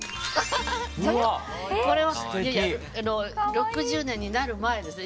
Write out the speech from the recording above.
６０年になる前ですね。